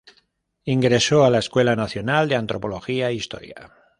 Ingresó a la Escuela Nacional de Antropología e Historia.